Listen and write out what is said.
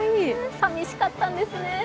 寂しかったんですね。